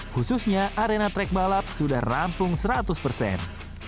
khususnya arena track balap sudah rampung seratus persen